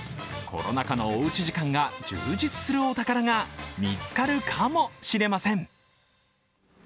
コロナ禍のおうち時間が充実するお宝が見つかるかもしれません。